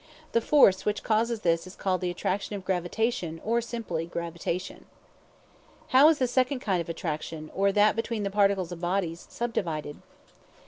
The force which causes this is called the attraction of gravitation, or simply gravitation. How is the second kind of attraction, or that between the particles of bodies, subdivided?